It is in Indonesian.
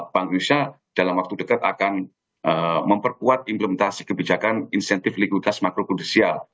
bank indonesia dalam waktu dekat akan memperkuat implementasi kebijakan insentif likuiditas makroproduksial